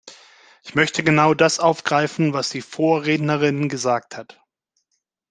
Ich möchte genau das aufgreifen, was die Vorrednerin gesagt hat.